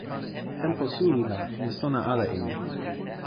tenpo suli la mi sona ala e ni.